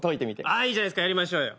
いいじゃないですかやりましょうよ。